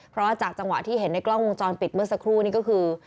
เพราะว่าจากจังหวะที่เห็นในกล้องวงจรปิดเมื่อสักครู่นี้ก็คือ